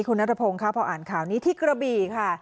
คุณนัทพงศ์ค่ะพออ่านข่าวนี้ที่กระบี่ค่ะ